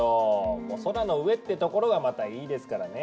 もう空の上ってところがまたいいですからね。